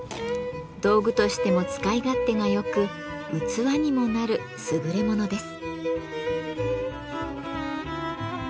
道具としても使い勝手がよく器にもなるすぐれものです。